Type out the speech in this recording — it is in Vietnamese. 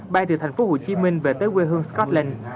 bay từ thành phố hồ chí minh về tới quê hương scotland